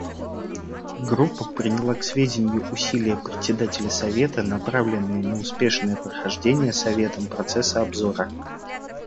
Группа приняла к сведению усилия Председателя Совета, направленные на успешное прохождение Советом процесса обзора.